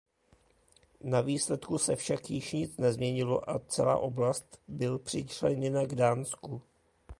Na výsledku se však již nic nezměnilo a celá oblast byl přičleněna k Dánsku.